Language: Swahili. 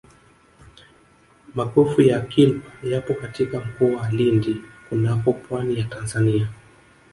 magofu ya kilwa yapo katika mkoa wa lindi kunako pwani ya tanzania